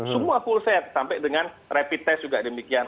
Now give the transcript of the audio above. semua full set sampai dengan rapid test juga demikian